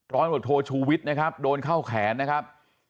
ตำรวจโทชูวิทย์นะครับโดนเข้าแขนนะครับ